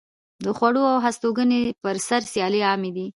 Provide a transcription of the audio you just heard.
د خوړو او هستوګنځي پر سر سیالۍ عامې دي.